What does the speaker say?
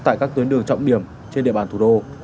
tại các tuyến đường trọng điểm trên địa bàn thủ đô